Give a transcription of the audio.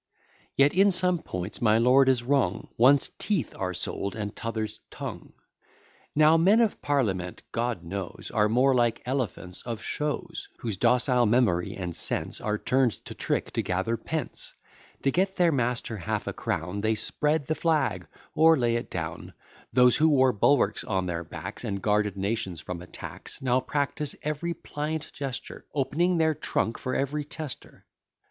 Yet in some points my lord is wrong, One's teeth are sold, and t'other's tongue: Now, men of parliament, God knows, Are more like elephants of shows; Whose docile memory and sense Are turn'd to trick, to gather pence; To get their master half a crown, They spread the flag, or lay it down: Those who bore bulwarks on their backs, And guarded nations from attacks, Now practise every pliant gesture, Opening their trunk for every tester.